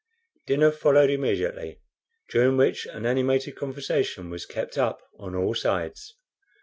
Dinner followed immediately, during which an animated conversation was kept up on all sides.